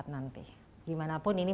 nanti dimanapun ini